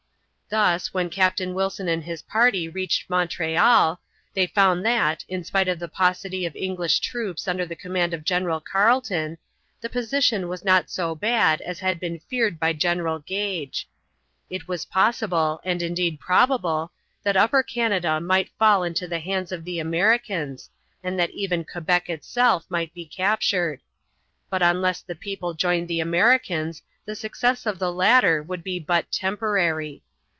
Thus, when Captain Wilson and his party reached Montreal, they found that, in spite of the paucity of English troops under the command of General Carleton, the position was not so bad as had been feared by General Gage. It was possible, and indeed probable, that Upper Canada might fall into the hands of the Americans, and that even Quebec itself might be captured; but unless the people joined the Americans the success of the latter would be but temporary.